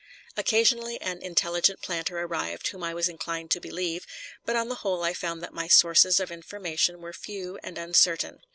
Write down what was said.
Occasionally an intelligent planter arrived whom I was inclined to believe, but on the whole I found that my sources of information were few and uncertain.